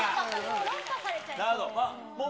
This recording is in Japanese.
論破されちゃいそう。